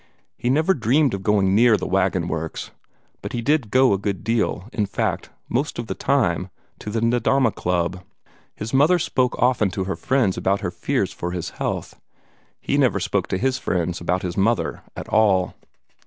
He never dreamed of going near the wagon works, but he did go a good deal in fact, most of the time to the Nedahma Club. His mother spoke often to her friends about her fears for his health. He never spoke to his friends about his mother at all.